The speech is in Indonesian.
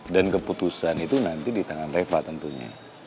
dan keputusan itu nanti di tangan reva tentunya